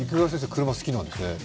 車好きなんですね。